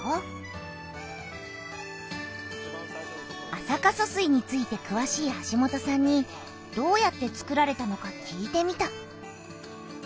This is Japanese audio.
安積疏水についてくわしい橋本さんにどうやってつくられたのか聞いてみた。